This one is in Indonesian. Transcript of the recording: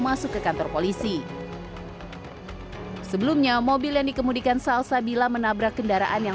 masuk ke kantor polisi sebelumnya mobil yang dikemudikan salsabila menabrak kendaraan yang